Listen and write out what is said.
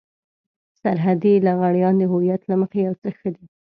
سرحدي لغړيان د هويت له مخې يو څه ښه دي.